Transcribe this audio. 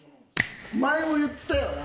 前も言ったよな？